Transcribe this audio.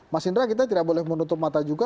mas indra kita tidak boleh menutup mata juga